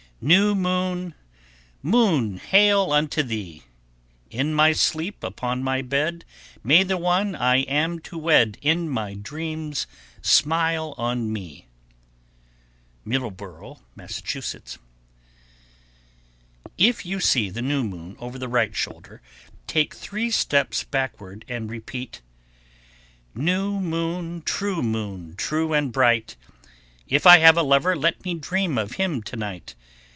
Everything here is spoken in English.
_ 1082. New moon, moon, Hail unto thee! In my sleep upon my bed, May the one I am to wed In my dreams smile on me. Middleboro', Mass. 1083. If you see the new moon over the right shoulder, take three steps backward and repeat, New moon, true moon, true and bright, If I have a lover let me dream of him to night.